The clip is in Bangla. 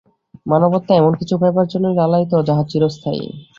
মানবাত্মা এমন কিছু পাইবার জন্যই লালায়িত, যাহা চিরস্থায়ী।